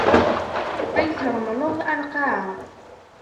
Ay tṛemleḍ a lqaɛa!